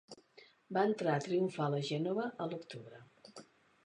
Va entrar triomfal a Gènova a l'octubre.